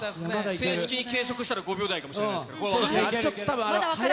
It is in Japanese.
正式に計測したら、５秒台かもしれないですから。